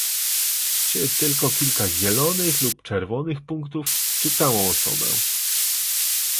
Czy tylko kilka zielonych lub czerwonych punktów, czy całą osobę?